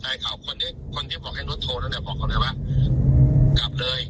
แต่ถ้าวันนี้มาล่ะผมพาเลยผมเอาพาร้ามัดเลย